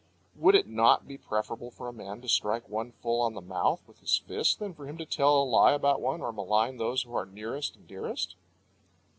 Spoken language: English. (Would it not be preferable for a man to strike one full on the mouth with his fist than for him to tell a lie about one, or malign those that are nearest and dearest?)